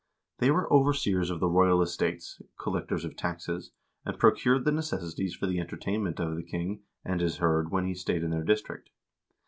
They were overseers of the royal estates, collectors of taxes, and procured the necessaries for the entertainment of the king and his hird when he stayed in their district.